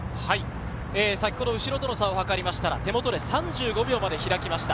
後ろとの差を計ったら、手元で３５秒まで開きました。